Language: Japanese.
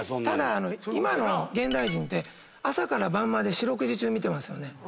今の現代人って朝から晩まで四六時中見てますよね。